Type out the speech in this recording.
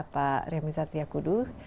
pak remy zatliakudu